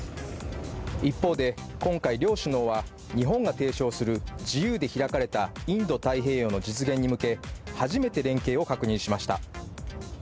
一方で今回、両首脳は日本が提唱する自由で開かれたインド太平洋の実現に向け初めて連携を確認しました。